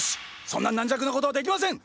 そんな軟弱なことはできません！